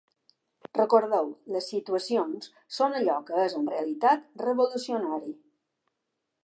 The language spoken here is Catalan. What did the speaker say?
Recordeu: les situacions són allò que és en realitat revolucionari.